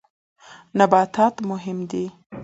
نباتات مهم دي.